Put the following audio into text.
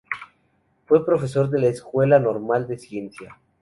Fue profesor de la "Escuela Normal de Ciencia".